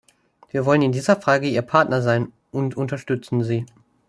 Wir wollen in dieser Frage Ihr Partner sein und unterstützen Sie!